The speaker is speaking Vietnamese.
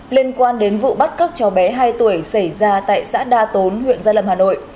liên quan đến vụ bắt cóc cháu bé hai tuổi xảy ra tại xã đa tốn huyện gia lâm hà nội